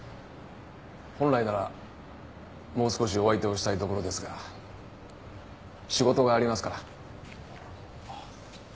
本来ならもう少しお相手をしたいところですが仕事がありますから。